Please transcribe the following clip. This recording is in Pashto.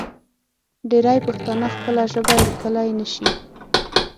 ډېری پښتانه خپله ژبه لیکلی نشي.